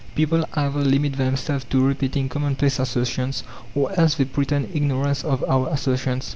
People either limit themselves to repeating commonplace assertions, or else they pretend ignorance of our assertions.